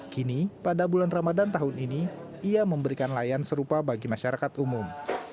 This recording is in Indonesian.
kini pada bulan ramadan tahun ini ia memberikan layan serupa bagi masyarakat umum